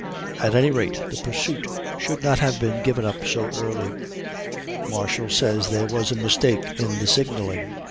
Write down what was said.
At any rate the pursuit should not have been given up so early. Marshall says there was a mistake in the signalling.